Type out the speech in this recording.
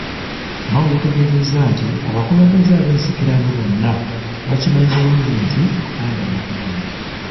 Mao yategeezezza nti abakulembeze ab’ensikirano bonna bakimanyi bulungi nti Buganda ya maanyi.